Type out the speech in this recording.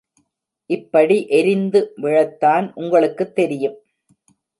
இப்படி எரிந்து விழத்தான் உங்களுக்குத் தெரியும்!